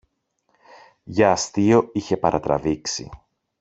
Για αστείο είχε παρατραβήξει